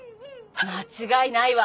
間違いないわ！